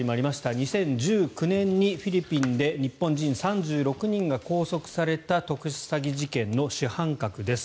２０１９年にフィリピンで日本人３６人が拘束された特殊詐欺事件の主犯格です。